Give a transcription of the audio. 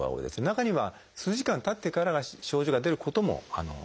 中には数時間たってから症状が出ることもあります。